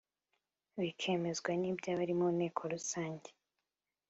bikemezwa na by abari mu inteko rusange